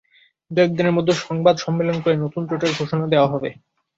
দু-এক দিনের মধ্যে সংবাদ সম্মেলন করে নতুন জোটের ঘোষণা দেওয়া হবে।